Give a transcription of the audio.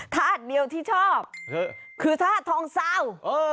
ธาตุเดียวที่ชอบคือธาตุทองซาว